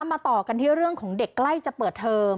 ต่อกันที่เรื่องของเด็กใกล้จะเปิดเทอม